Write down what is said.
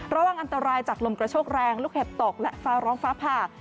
ระวังอันตรายจากลมกระโชกแรงลูกเห็บตกและฟ้าร้องฟ้าผ่า